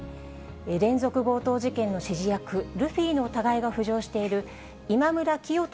連続強盗事件の指示役、ルフィの疑いが浮上している今村磨人